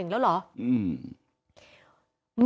อืม